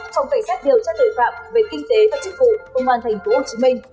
phòng cảnh sát điều tra tội phạm về kinh tế và chức vụ công an thành phố hồ chí minh